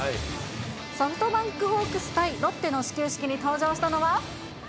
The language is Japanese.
ソフトバンクホークス対ロッテの始球式に登場したのは。